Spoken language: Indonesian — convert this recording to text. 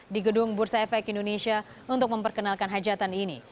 di gedung bursa efek indonesia untuk memperkenalkan hajatan ini